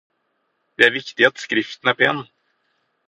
Det er viktig at skriften er pen.